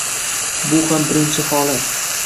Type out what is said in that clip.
Bu ham birinchi holat